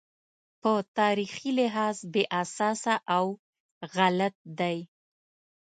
په تاریخي لحاظ بې اساسه او غلط دی.